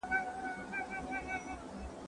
دولت د داخلي سکتور لپاره اسانتیاوې برابروي.